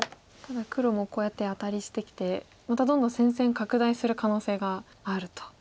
ただ黒もこうやってアタリしてきてまたどんどん戦線拡大する可能性があると。